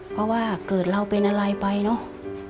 เพราะว่าเกิดเราเป็นอะไรไปเนอะ